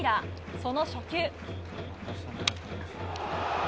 その初球。